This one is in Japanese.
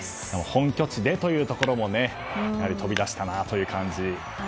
本拠地でというところも飛び出したなという感じ。